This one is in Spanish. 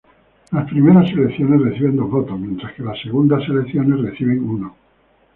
Las primeras selecciones reciben dos votos, mientras que las segunda selecciones reciben uno.